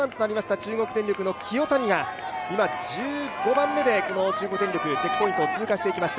中国電力の清谷が今、１５番目でチェックポイントを通過していきました。